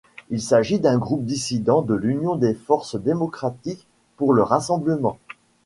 Il s'agit d'un groupe dissident de l'Union des forces démocratiques pour le rassemblement.